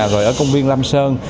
rồi ở công viên lam sơn